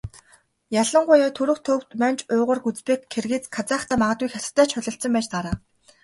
Ялангуяа Түрэг, Төвөд, Манж, Уйгар, Узбек, Киргиз, Казахтай магадгүй Хятадтай ч холилдсон байж таараа.